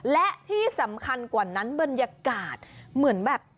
และที่สำคัญกว่านั้นบรรยากาศเหมือนแบบ